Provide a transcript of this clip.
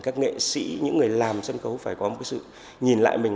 các nghệ sĩ những người làm sân khấu phải có một cái sự nhìn lại mình